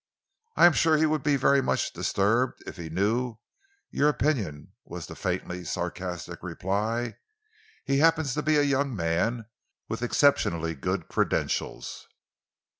"I am sure he would be very much disturbed if he knew your opinion," was the faintly sarcastic reply. "He happens to be a young man with exceptionally good credentials."